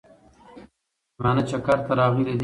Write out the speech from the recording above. مېلمانه چکر له راغلي دي